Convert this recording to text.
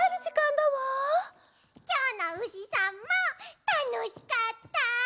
きょうのうしさんもたのしかった！